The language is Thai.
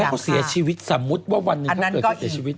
อาจจะให้เขาเสียชีวิตสมมุติว่าวันนึงเขาเกิดเสียชีวิต